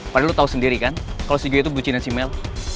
padahal lu tau sendiri kan kalau si gio itu bucinan si mel